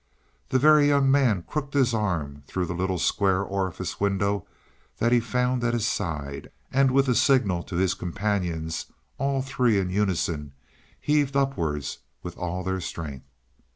The Very Young Man crooked his arm through the little square orifice window that he found at his side, and, with a signal to his companions, all three in unison heaved upwards with all their strength.